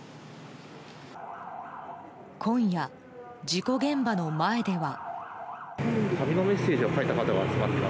今夜、事故現場の前では。